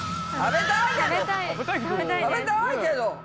食べたいけど。